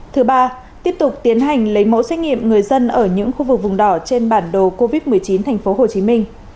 thứ ba tiếp tục tiến hành lấy mẫu xét nghiệm người dân ở những khu vực vùng đỏ trên bản đồ covid một mươi chín tp hcm